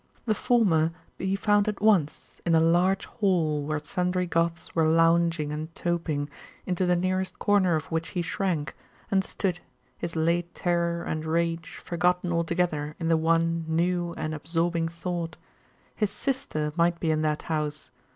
The former be found at once, in a large hall where sundry Goths were lounging and toping, into the nearest corner of which he shrank, and stood, his late terror and rage forgotten altogether in the one new and absorbing thought His sister might be in that house!....